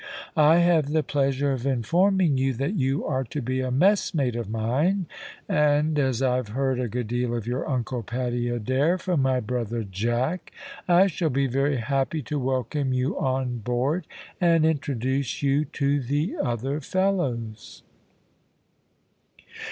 I have the pleasure of informing you that you are to be a messmate of mine, and as I've heard a good deal of your uncle, Paddy Adair, from my brother Jack, I shall be very happy to welcome you on board and to introduce you to the other fellows."